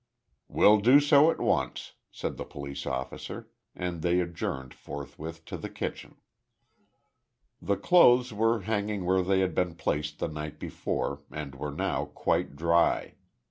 "We'll do so at once," said the police officer, and they adjourned forthwith to the kitchen. The clothes were hanging where they had been placed the night before, and were now quite dry.